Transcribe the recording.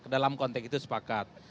dalam konteks itu sepakat